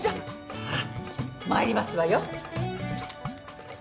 さあまいりますわよ。